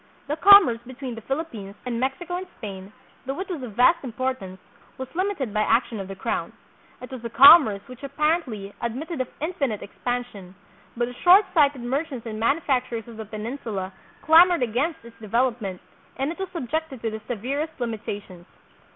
The com merce between the Philippines, and Mexico and Spain, though it was of vast importance, was limited by action of the crown. It was a commerce which apparently ad mitted of infinite expansion, but the shortsighted mer chants and manufacturers of the Peninsula clamored against its development, and it was subjected to the severest limitations.